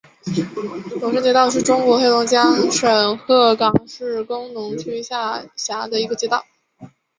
龙山街道是中国黑龙江省鹤岗市工农区下辖的一个街道。